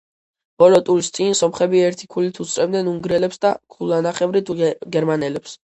ბოლო ტურის წინ სომხები ერთი ქულით უსწრებდნენ უნგრელებს და ქულანახევრით გერმანელებს.